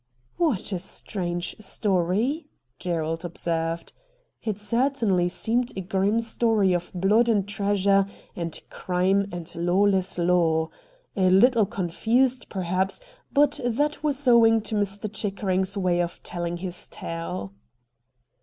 ' What a strange story !' Gerald observed. It certainly seemed a grim story of blood and treasure, and crime and lawless law. A httle confused, perhaps, but that was owing to Mr. Chickering's way of telling his tale.